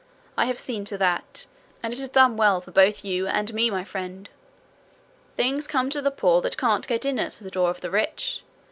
I have seen to that, and it has done well for both you and me, my friend. Things come to the poor that can't get in at the door of the rich.